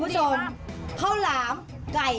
ข้อส่องคืออะไรคะ